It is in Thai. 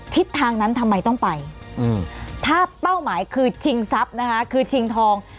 ทิศทางนั้นทำไมต้องไปถ้าเป้าหมายคือชิงทรัพย์นะคะคือชิงทอง